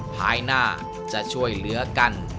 ภายหน้าจะช่วยเหลือกัน